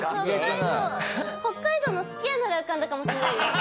北海道のすき家なら浮かんだかもしれないです